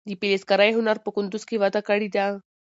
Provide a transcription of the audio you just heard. د فلزکارۍ هنر په کندز کې وده کړې ده.